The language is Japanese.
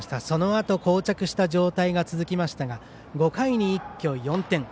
そのあとこう着した状態が続きましたが５回に一挙４点。